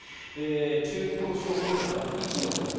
中等症、この方は１のほうです。